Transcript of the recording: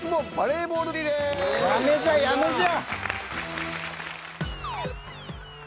やめじゃやめじゃ！